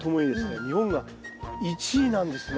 日本が１位なんですね。